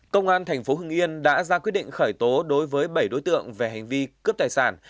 công an thành phố hưng yên đã ra quyết định khởi tố đối với bảy đối tượng về hành vi cướp tài sản